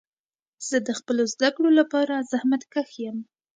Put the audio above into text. زه د خپلو زده کړو لپاره زحمت کښ یم.